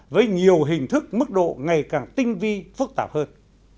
với nhiều hình thức mức độ ngày càng tinh vi phức tạp hơn